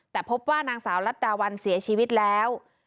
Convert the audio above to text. แต่พบว่านางสาวรัฐดาวันเสียชีวิตแล้ว